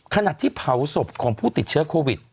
ขณะที่เผาศพของผู้ติดเชื้อโควิด